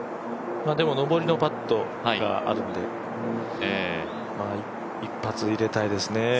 でも上りのパットがあるので、一発、入れたいですね。